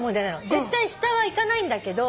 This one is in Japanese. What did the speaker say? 絶対下はいかないんだけど。